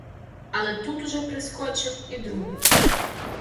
Але тут уже прискочив і другий.